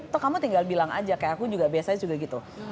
toh kamu tinggal bilang aja kayak aku juga biasanya juga gitu